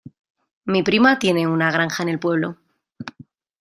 Mi prima tiene una granja en el pueblo.